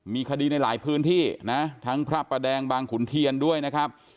มีคดีในหลายพื้นที่นะทั้งพระประแดงบางขุนเทียนด้วยนะครับ